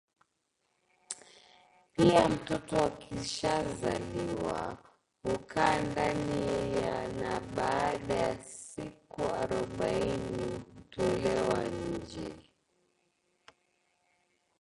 Pia mtoto akishazaliwa hukaa ndani na baada ya siku arobaini hutolewa nje